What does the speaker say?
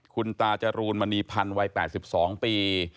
คุณตาจรูนมณีพันธ์วัย๘๒ปี